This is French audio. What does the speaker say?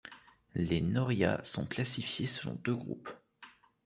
Les noria sont classifiées selon deux groupes.